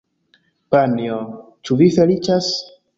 Panjo, ĉu vi feliĉas?